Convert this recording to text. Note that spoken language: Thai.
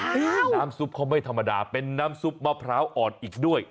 น้ำซุปเขาไม่ธรรมดาเป็นน้ำซุปมะพร้าวอ่อนอีกด้วย